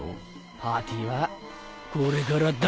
パーティーはこれからだ！